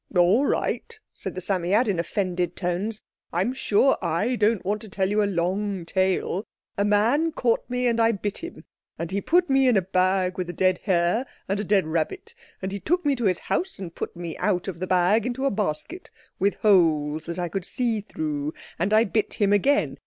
"All right," said the Psammead, in offended tones. "I'm sure I don't want to tell you a long tale. A man caught me, and I bit him. And he put me in a bag with a dead hare and a dead rabbit. And he took me to his house and put me out of the bag into a basket with holes that I could see through. And I bit him again.